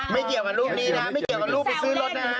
ไม่เกี่ยวกับรูปนี้นะไม่เกี่ยวกับรูปไปซื้อรถนะฮะ